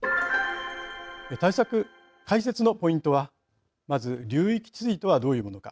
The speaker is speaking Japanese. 解説のポイントはまず、流域治水とはどういうものか。